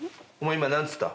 今何つった？